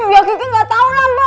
ya gigi gak tau lah mbak